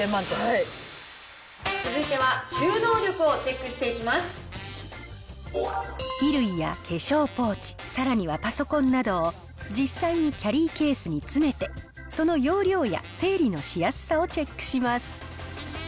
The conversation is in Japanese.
続いては収納力をチェックし衣類や化粧ポーチ、さらにはパソコンなどを実際にキャリーケースに詰めて、その容量や整理のしやすさをチェックします。